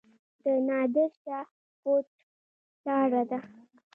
د نادر شاه کوټ لاره ده